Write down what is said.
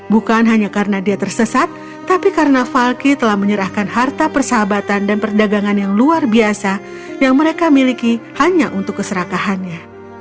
bukan hanya karena dia tersesat tapi karena falky telah menyerahkan harta persahabatan dan perdagangan yang luar biasa yang mereka miliki hanya untuk keserakahannya